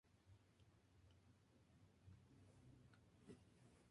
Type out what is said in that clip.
La metodología se ha mejorado bastante con los años.